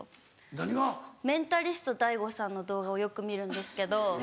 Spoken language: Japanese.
何が？メンタリストＤａｉＧｏさんの動画をよく見るんですけど。